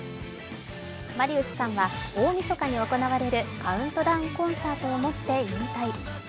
マリウスさんは大みそかに行われるカウントダウンコンサートをもって引退。